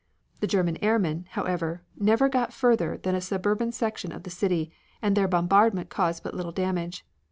The German airmen, however, never got further than a suburban section of the city, and their bombardment caused but little damage.